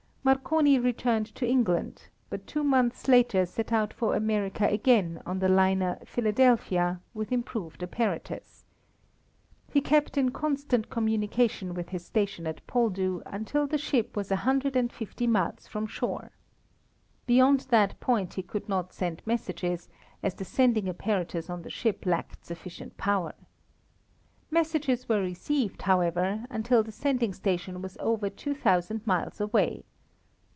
Marconi returned to England, but two months later set out for America again on the liner Philadelphia with improved apparatus. He kept in constant communication with his station at Poldhu until the ship was a hundred and fifty miles from shore. Beyond that point he could not send messages, as the sending apparatus on the ship lacked sufficient power. Messages were received, however, until the sending station was over two thousand miles away.